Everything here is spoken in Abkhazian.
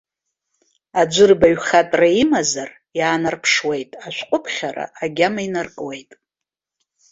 Аӡәыр баҩхатәра имазар иаанарԥшуеит, ашәҟәыԥхьара агьама инаркуеит.